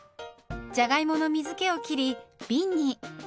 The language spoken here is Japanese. じゃがいもの水けを切りびんに。